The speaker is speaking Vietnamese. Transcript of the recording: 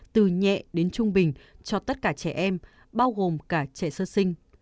từ nhẹ đến trung bình cho tất cả trẻ em bao gồm cả trẻ sơ sinh